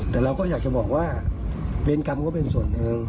แต่เราก็อยากจะบอกว่าเวรกรรมก็เป็นส่วนหนึ่ง